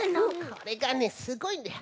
これがねすごいんだよ！